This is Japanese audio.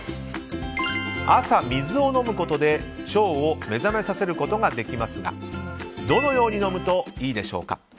朝、水を飲むことで腸を目覚めさせることができますがどのように飲むといいでしょうか。